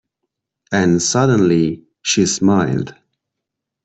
And suddenly she smiled.